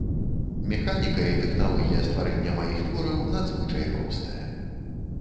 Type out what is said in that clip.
Механіка і тэхналогія стварэння маіх твораў надзвычай простая.